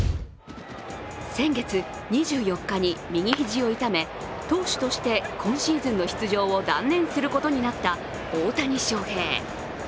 先月２４日に右肘を痛め、投手として今シーズンの出場を断念することになった大谷翔平。